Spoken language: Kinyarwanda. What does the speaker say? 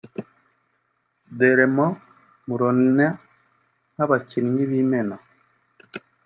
Dermot Mulroney nk’abakinnyi b’imena